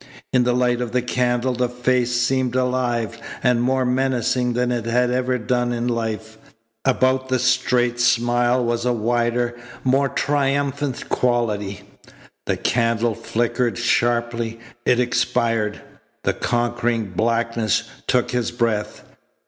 In the light of the candle the face seemed alive and more menacing than it had ever done in life. About the straight smile was a wider, more triumphant quality. The candle flickered sharply. It expired. The conquering blackness took his breath.